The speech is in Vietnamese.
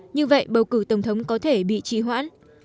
như vậy bầu cử tổng thống có thể bị trị hoãn